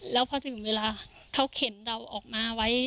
แล้วพอถึงเวลาเขาเข็นเราออกมาไว้